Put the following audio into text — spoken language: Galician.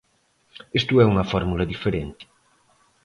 Iso é unha fórmula diferente.